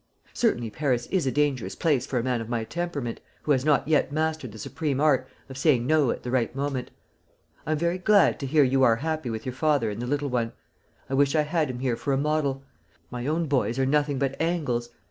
Certainly, Paris is a dangerous place for a man of my temperament, who has not yet mastered the supreme art of saying no at the right moment. I am very glad to hear you are happy with your father and the little one. I wish I had him here for a model; my own boys are nothing but angles.